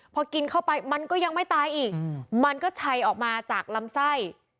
พอกินเข้าไปมันก็ยังไม่ตายอีกมันก็ชัยออกมาจากลำไส้